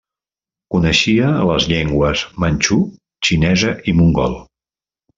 Coneixia les llengües manxú, xinesa i mongol.